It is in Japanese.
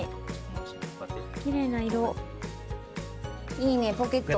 いいねポケット。